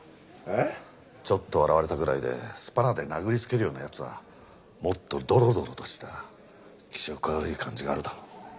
ちょっと笑われたぐらいでスパナで殴りつけるような奴はもっとドロドロとした気色悪い感じがあるだろ。